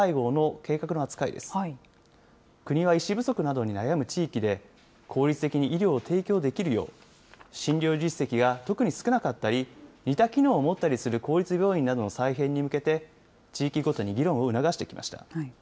国は医師不足などに悩む地域で、効率的に医療を提供できるよう、診療実績が特に少なかったり、似た機能を持ったりする公立病院などの再編に向けて、地域ごとに議論を促してきました。